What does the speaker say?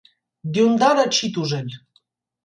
Դյունդարը չի տուժել։